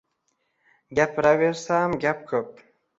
Gapiraversam, gap ko`p